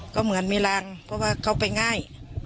ก็เหมือนมีรังเพราะว่าเขาไปง่าย